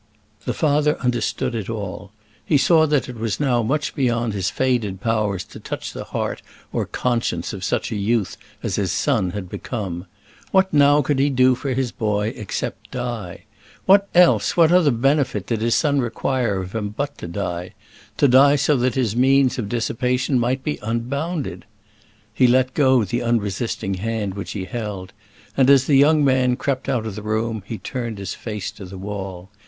The father understood it all. He saw that it was now much beyond his faded powers to touch the heart or conscience of such a youth as his son had become. What now could he do for his boy except die? What else, what other benefit, did his son require of him but to die; to die so that his means of dissipation might be unbounded? He let go the unresisting hand which he held, and, as the young man crept out of the room, he turned his face to the wall.